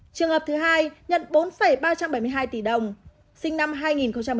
trường hợp thứ hai nhận bốn ba trăm bảy mươi hai tỷ đồng sinh năm hai nghìn một mươi